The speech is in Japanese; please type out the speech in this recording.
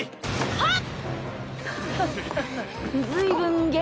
あっ。